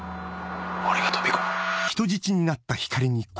俺が飛び込む。